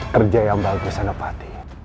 kerja yang bagus senopati